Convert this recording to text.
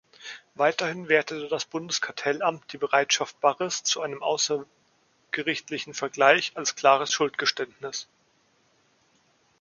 Weiterhin wertete das Bundeskartellamt die Bereitschaft Barres zu einem außergerichtlichen Vergleich als klares Schuldeingeständnis.